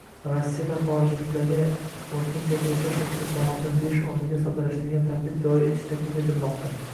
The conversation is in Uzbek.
Rossiyada xorijliklarga vaqtinchalik yashash ruxsatnomasini berish o‘rniga soddalashtirilgan tartib joriy etish taklif qilinmoqda